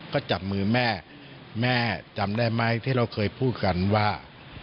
ก็จับมือแม่แม่จำได้ไหมที่เราเคยพูดกันว่า